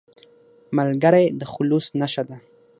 ملګری د خلوص نښه ده